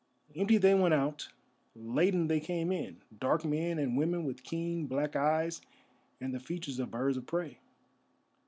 Empty they went out, laden they came in, dark men and women with keen black eyes and the features of birds of prey.